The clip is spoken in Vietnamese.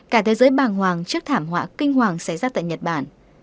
cả thế giới bàng hoàng trước thảm họa kinh hoàng xảy ra tại nhật bản